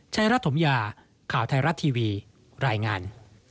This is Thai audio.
รัฐถมยาข่าวไทยรัฐทีวีรายงาน